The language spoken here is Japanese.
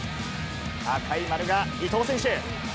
赤い丸が伊東選手。